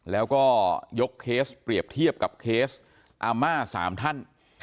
แล้วก็ยกเคสเปรียบเทียบกับเคสอาม่า๓ท่าน